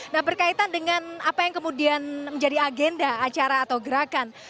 nah berkaitan dengan apa yang kemudian menjadi agenda acara atau gerakan